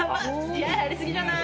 気合入り過ぎじゃない？